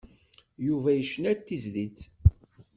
Yuba yecna-d tizlit.